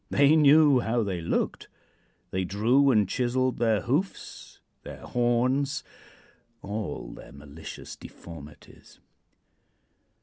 They knew how they looked. They drew and chiseled their hoofs, their horns all their malicious deformities.